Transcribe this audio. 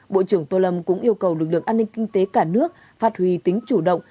bộ trưởng tô lâm cũng yêu cầu lực lượng an ninh kinh tế cả nước phát huy tính chủ động